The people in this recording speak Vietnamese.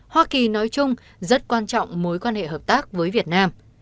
hoa kỳ nói chung rất quan trọng mối quan hệ hợp tác với việt nam